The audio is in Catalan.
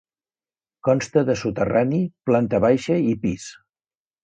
Consta de soterrani, planta baixa i pis.